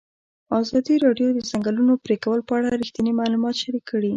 ازادي راډیو د د ځنګلونو پرېکول په اړه رښتیني معلومات شریک کړي.